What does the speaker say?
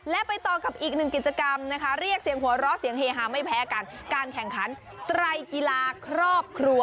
และไปต่อกับอีกหนึ่งกิจกรรมนะคะเรียกเสียงหัวเราะเสียงเฮฮาไม่แพ้กันการแข่งขันไตรกีฬาครอบครัว